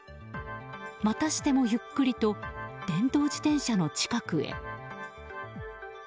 またしてもゆっくりと電動自転車の近くへ。